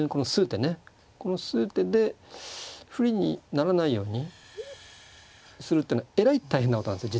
この数手で不利にならないようにするっていうのはえらい大変なことなんですよ